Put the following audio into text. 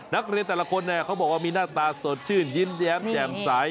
นักเรียนแต่ละคนเขาบอกว่ามีหน้าตาสดชื่นยิ้มแย้มแจ่มใส